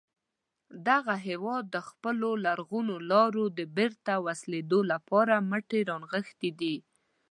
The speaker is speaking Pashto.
دغه هیواد د خپلو لرغونو لارو د بېرته وصلېدو لپاره مټې را نغښتې دي.